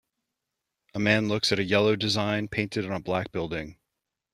A man looks at a yellow design painted on a black building.